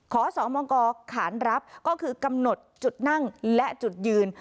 ขอสมกขานรับก็คือกำหนดจุดนั่งและจุดยืน